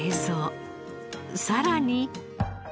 さらに。